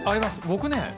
僕ね